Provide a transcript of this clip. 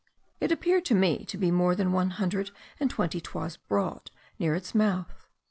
It appeared to me to be more than one hundred and twenty toises broad near its mouth.